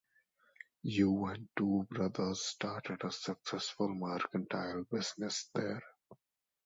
Yow and two brothers started a successful mercantile business there.